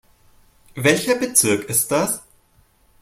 Welcher Bezirk ist das?